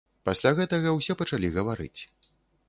Пасля гэтага ўсе пачалі гаварыць.